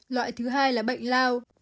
loại thứ hai là bệnh lao